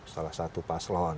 salah satu paslon